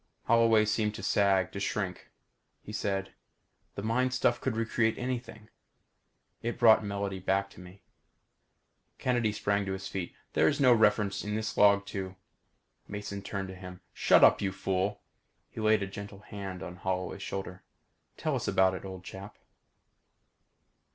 Holloway seemed to sag to shrink. He said, "The mind stuff could recreate anything. It brought Melody back to me." Kennedy sprang to his feet. "There is no reference in this log to " Mason turned on him. "Shut up, you fool!" He laid a gentle hand on Holloway's shoulder. "Tell us about it, old chap."